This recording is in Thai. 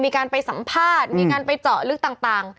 มีการไปสัมภาษณ์มีการไปเจาะลึกต่าง